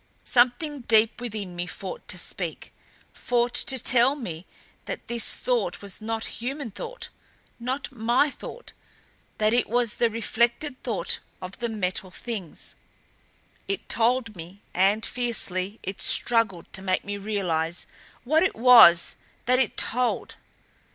Something deep within me fought to speak fought to tell me that this thought was not human thought, not my thought that it was the reflected thought of the Metal Things! It told me and fiercely it struggled to make me realize what it was that it told.